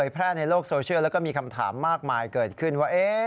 แพร่ในโลกโซเชียลแล้วก็มีคำถามมากมายเกิดขึ้นว่า